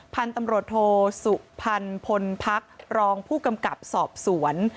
พันธุ์ตำรวจโทสุพรรณพลพักรองผู้กำกับสอบสวน